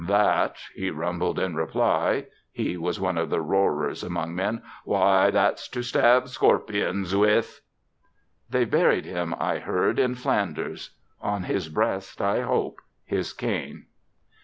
"That!" he rumbled in reply (he was one of the roarers among men), "why, that's to stab scorpions with." They've buried him, I heard, in Flanders; on his breast (I hope), his cane.